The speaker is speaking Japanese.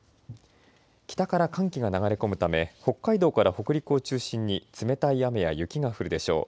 北から寒気が流れ込むため北海道から北陸を中心に冷たい雨や雪が降るでしょう。